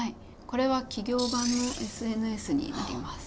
これは企業版のＳＮＳになります。